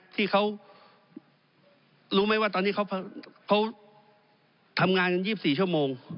ที่เขารู้ไหมว่าตอนนี้เขาทำงานกัน๒๔ชั่วโมง